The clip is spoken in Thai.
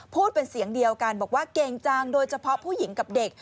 พูดเป็นเสียงเดียวกันบอกว่าเก่งจังโดยเฉพาะผู้หญิงกับเด็ก